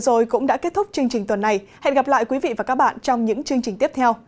rồi cũng đã kết thúc chương trình tuần này hẹn gặp lại quý vị và các bạn trong những chương trình tiếp theo